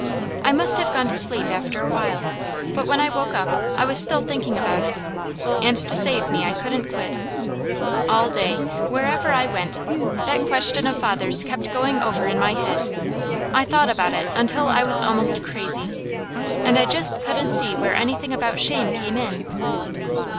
I must have gone to sleep after a while, but when I woke up I was still thinking about it, and to save me, I couldn't quit. All day, wherever I went, that question of father's kept going over in my head. I thought about it until I was almost crazy, and I just couldn't see where anything about shame came in.